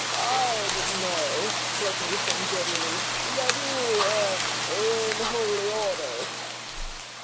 "I didn't know," Blakeney was saying jovially, "that you ... er ... were in holy orders."